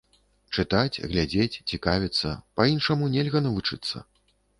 Чытаць, глядзець, цікавіцца, па-іншаму нельга навучыцца!